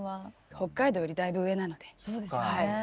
北海道よりだいぶ上なので。